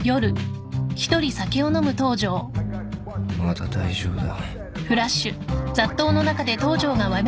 まだ大丈夫だ。